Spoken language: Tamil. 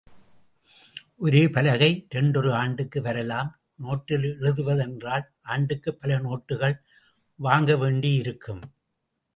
ஒரே பலகை இரண்டொரு ஆண்டுக்கு வரலாம் நோட்டில் எழுதுவதென்றால் ஆண்டுக்குப் பல நோட்டுகள் வாங்கவேண்டியிருக்கும்.